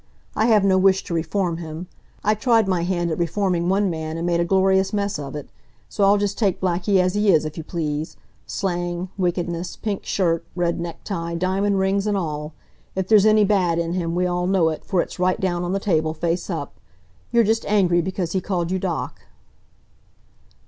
I have no wish to reform him. I tried my hand at reforming one man, and made a glorious mess of it. So I'll just take Blackie as he is, if you please slang, wickedness, pink shirt, red necktie, diamond rings and all. If there's any bad in him, we all know it, for it's right down on the table, face up. You're just angry because he called you Doc."